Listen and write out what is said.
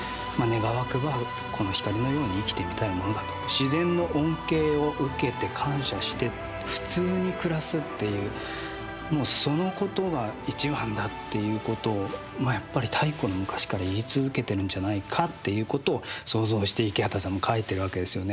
自然の恩恵を受けて感謝して普通に暮らすっていうもうそのことが一番だっていうことをやっぱり太古の昔から言い続けてるんじゃないかっていうことを想像して池端さんも書いてるわけですよね。